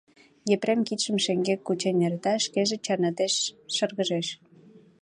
Епрем кидшым шеҥгек кучен эрта, шкеже чарныде шыргыжеш...